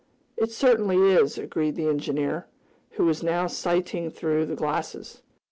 "It certainly is," agreed the engineer, who was now sighting through the glasses.